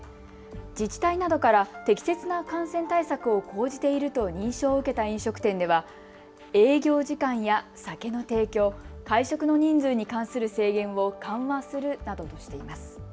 自治体などから適切な感染対策を講じていると認証を受けた飲食店では営業時間や酒の提供、会食の人数に関する制限を緩和するなどとしています。